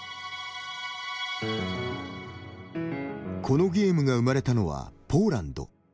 このゲームが生まれたのはポーランド。